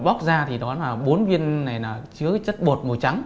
bọc ra thì đó là bốn viên chứa chất bột màu trắng